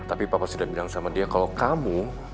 tapi papa sudah bilang sama dia kalau kamu